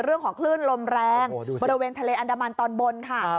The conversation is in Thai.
เรื่องของคลื่นลมแรงบริเวณทะเลอันดามันตอนบนค่ะ